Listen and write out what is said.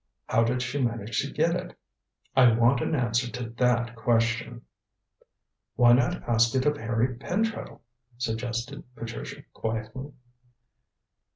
How did she manage to get it? I want an answer to that question." "Why not ask it of Harry Pentreddle?" suggested Patricia quietly.